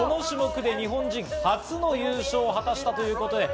この種目で日本人初の優勝を果たしたということです。